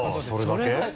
それだけ？